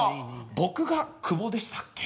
僕が久保でしたっけ？